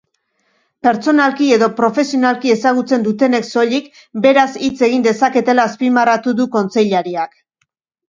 Pertsonalki edo profesionalki ezagutzen dutenek soilik beraz hitz egin dezaketela azpimarratu du kontseilariak.